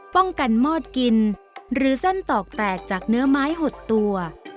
ป้องกันมอดกินหรือเส้นตอกแตกจากเนื้อไม้หดตัว